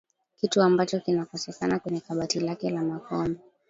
kitu ambacho kinakosekana kwenye kabati lake la makombe